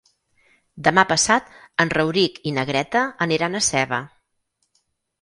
Demà passat en Rauric i na Greta aniran a Seva.